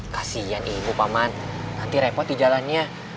kasian ibu paman nanti repot di jalannya